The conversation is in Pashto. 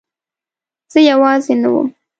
زه یوازې نه وم.